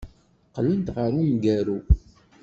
Qqlent ɣer umgaru.